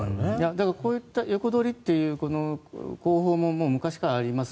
だからこういった横取りという工法も昔からあります。